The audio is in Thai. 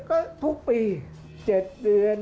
ภาคอีสานแห้งแรง